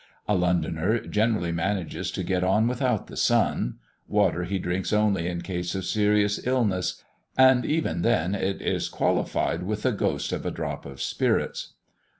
A Londoner generally manages to get on without the sun; water he drinks only in case of serious illness, and even then it is qualified with "the ghost of a drop of spirits."